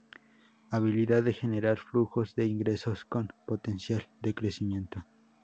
Habilidad de generar flujos de ingresos con potencial de crecimiento.